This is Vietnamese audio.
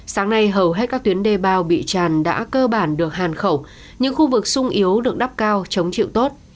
sáng nay hầu hết các tuyến đê bao bị tràn đã cơ bản được hàn khẩu những khu vực sung yếu được đắp cao chống chịu tốt